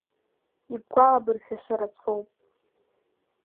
Ибгәалабыршәаша рацәоуп…